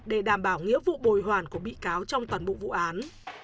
để đảm bảo nghĩa vụ bồi hoàn của bị cáo trong toàn bộ vụ án